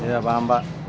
iya faham pak